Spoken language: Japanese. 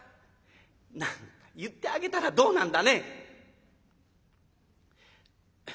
「何か言ってあげたらどうなんだね」。